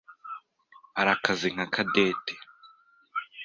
arakaze nka Cadette.